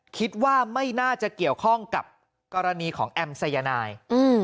คิดว่าไม่น่าจะเกี่ยวข้องกับกรณีของแอมสายนายอืม